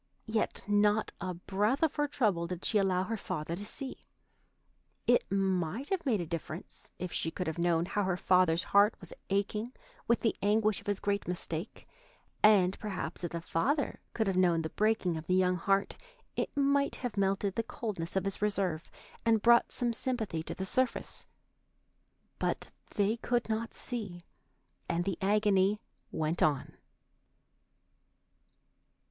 Yet not a breath of her trouble did she allow her father to see. It might have made a difference if she could have known how her father's heart was aching with the anguish of his great mistake, and perhaps if the father could have known the breaking of the young heart it might have melted the coldness of his reserve and brought some sympathy to the surface. But they could not see, and the agony went on.